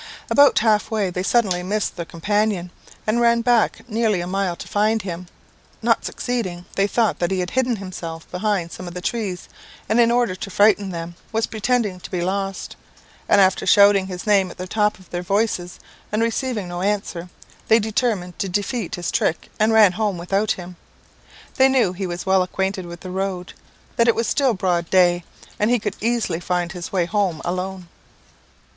"About half way they suddenly missed their companion, and ran back nearly a mile to find him; not succeeding, they thought that he had hidden himself behind some of the trees, and, in order to frighten them, was pretending to be lost; and after shouting his name at the top of their voices, and receiving no answer, they determined to defeat his trick, and ran home without him. They knew he was well acquainted with the road, that it was still broad day, and he could easily find his way home alone.